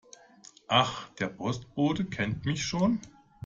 Ach, der Postbote kennt mich schon.